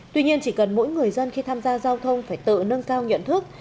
tuy nhiên chỉ cần mỗi người dân khi tham gia giao thông phải tự nâng cao nhận thức